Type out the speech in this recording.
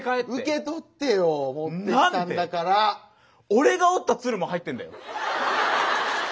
俺が折った鶴も入ってんだよ。